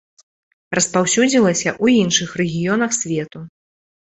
Распаўсюдзілася ў іншых рэгіёнах свету.